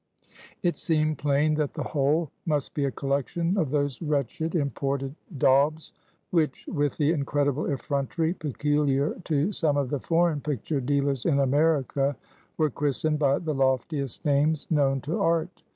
_" It seemed plain that the whole must be a collection of those wretched imported daubs, which with the incredible effrontery peculiar to some of the foreign picture dealers in America, were christened by the loftiest names known to Art.